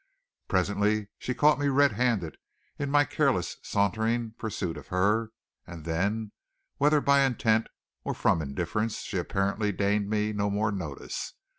Presently she caught me red handed in my careless, sauntering pursuit of her, and then, whether by intent or from indifference, she apparently deigned me no more notice.